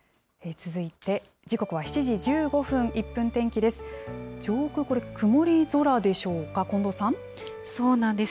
続いて、時刻は７時１５分、１分天気です。